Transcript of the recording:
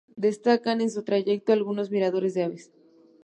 Destacan en su trayecto algunos miradores de aves.